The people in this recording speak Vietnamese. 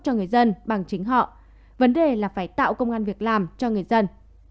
cho người dân bằng chính họ vấn đề là phải tạo công an việc làm cho người dân